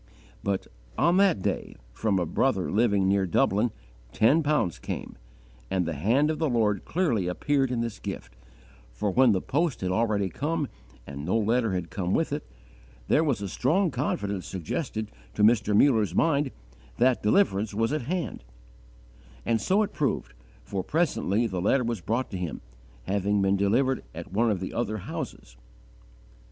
But, on that day, from a brother living near Dublin, ten pounds came: and the hand of the Lord clearly appeared in this gift, for when the post had already come and no letter had come with it, there was a strong confidence suggested to Mr. Muller's mind that deliverance was at hand; and so it proved, for presently the letter was brought to him, having been delivered at one of the other houses.